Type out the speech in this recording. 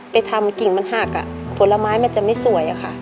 ไปทำกิ่งมันหักผลไม้มันจะไม่สวยอะค่ะ